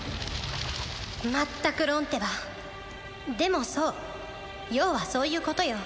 まったくロンってばでもそう要はそういうことよ